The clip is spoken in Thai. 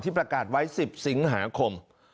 ประกาศไว้๑๐สิงหาคม